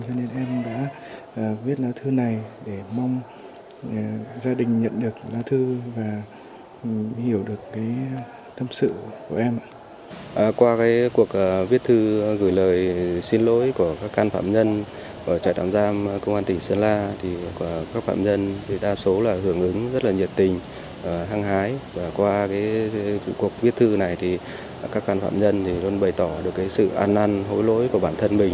cho nên em đã viết lá thư này để mong gia đình nhận được lá thư